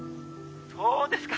「そうですか」